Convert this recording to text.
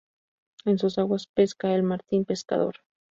En sus aguas pesca el martín pescador.